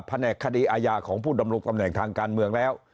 แหนกคดีอาญาของผู้ดำรงตำแหน่งทางการเมืองแล้ว